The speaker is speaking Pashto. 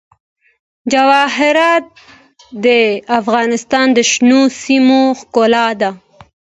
جواهرات د افغانستان د شنو سیمو ښکلا ده.